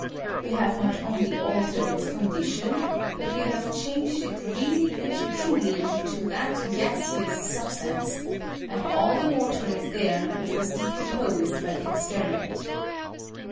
"We have not only altered its condition, but we have changed it really and truly into that gaseous substance, and all the water is there which was decomposed by the experiment.